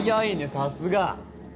さすが。